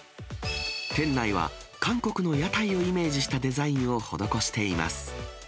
店内は韓国の屋台をイメージしたデザインを施しています。